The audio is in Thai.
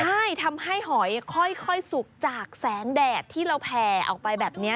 ใช่ทำให้หอยค่อยสุกจากแสงแดดที่เราแผ่ออกไปแบบนี้